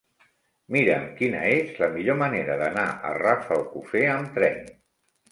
Mira'm quina és la millor manera d'anar a Rafelcofer amb tren.